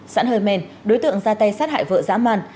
sẵn hời mền đối tượng ra tay sát hại vợ dã man